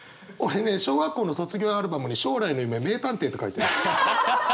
俺ね小学校の卒業アルバムに「将来の夢名探偵」って書いてあった。